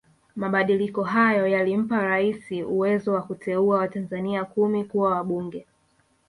Mabadiliko hayo yalimpa Raisi uwezo wa kuteua watanzania kumi kuwa wabunge